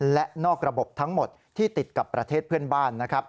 และนอกระบบทั้งหมดที่ติดกับประเทศเพื่อนบ้านนะครับ